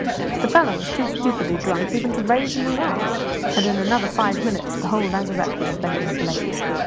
The fellow was too stupidly drunk even to raise an alarm, and in another five minutes the whole lazarette would have been in a blaze.